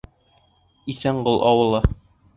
Иҫәнғол ауылы.